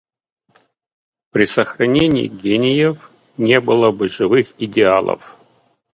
При сохранении гениев не было бы живых идеалов.